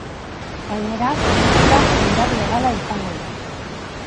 Gainera, dokumentuak indar legala izango du.